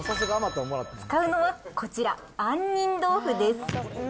使うのはこちら、杏仁豆腐です。